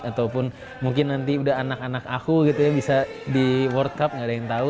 ataupun mungkin nanti udah anak anak aku bisa di world cup gak ada yang tau